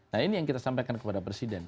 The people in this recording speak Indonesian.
nah ini yang kita sampaikan kepada presiden